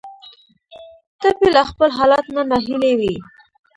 ټپي له خپل حالت نه ناهیلی وي.